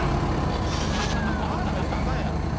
「“ああー”なんか言うたらアカンやん」